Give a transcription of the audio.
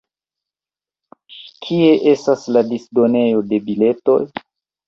Kie estas la disdonejo de biletoj?